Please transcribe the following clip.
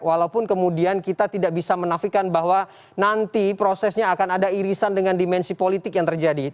walaupun kemudian kita tidak bisa menafikan bahwa nanti prosesnya akan ada irisan dengan dimensi politik yang terjadi